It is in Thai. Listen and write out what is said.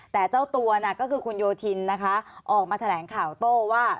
แต่เจ้าตัวก็คือคุณโยธินนะคะออกมาแถลงข่าวโต้ว่า